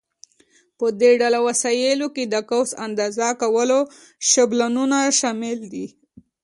په دې ډله وسایلو کې د قوس اندازه کولو شابلونونه شامل نه دي.